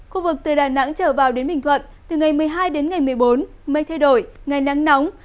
khu vực từ đà nẵng trở vào đến bình thuận từ ngày một mươi hai đến ngày một mươi bốn mây thay đổi ngày nắng nóng